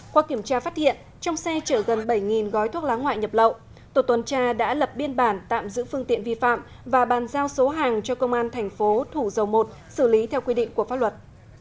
qua kiểm tra phát hiện trong xe chở gần bảy gói thuốc lá ngoại nhập lậu tổ tuần tra đã lập biên bản tạm giữ phương tiện vi phạm và bàn giao số hàng cho công an thành phố thủ dầu một xử lý theo quy định của pháp luật